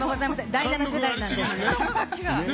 第７世代なんで。